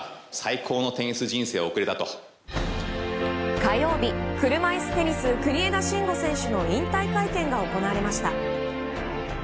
火曜日車いすテニス、国枝慎吾選手の引退会見が行われました。